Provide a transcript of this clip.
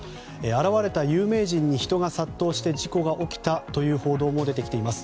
現れた有名人に人が殺到して事故が起きたという報道も出てきています。